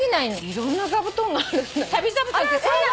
いろんな座布団があるんだね。